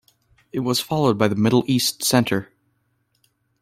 It was followed by the Middle East Center.